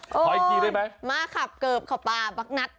ขออีกทีได้ไหมหมาข้าบเกาบเข้าป่าบักนัท